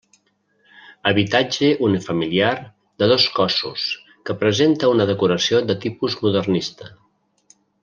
Habitatge unifamiliar de dos cossos que presenta una decoració de tipus modernista.